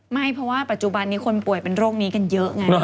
ไม่เพราะว่าปัจจุบันนี้คนป่วยเป็นโรคนี้กันเยอะไง